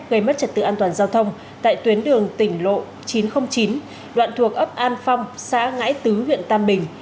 gây mất trật tự an toàn giao thông tại tuyến đường tỉnh lộ chín trăm linh chín đoạn thuộc ấp an phong xã ngãi tứ huyện tam bình